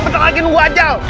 bentar lagi nunggu ajal